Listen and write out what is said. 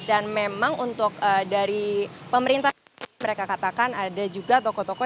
dan memang untuk dari pemerintah mereka katakan ada juga toko toko